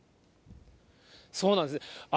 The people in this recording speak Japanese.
そうなんです。